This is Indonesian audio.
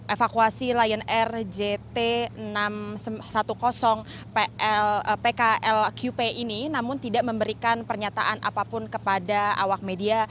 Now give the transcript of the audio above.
evakuasi lion air jt enam ratus sepuluh pklqp ini namun tidak memberikan pernyataan apapun kepada awak media